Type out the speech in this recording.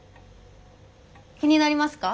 気になりますか？